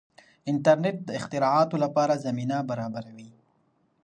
انټرنیټ د اختراعاتو لپاره زمینه برابروي.